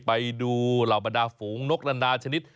ไปดูเหล่าบรรดาฝูงนกนานาชนิด